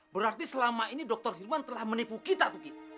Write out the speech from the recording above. berarti selama ini dokter firman telah menipu kita tuki